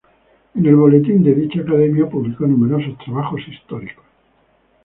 En el boletín de dicha Academia publicó numerosos trabajos históricos.